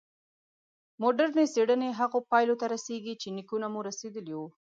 مډرني څېړنې هغو پایلو ته رسېږي چې نیکونه مو رسېدلي وو.